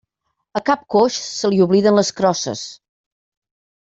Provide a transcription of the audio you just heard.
A cap coix se li obliden les crosses.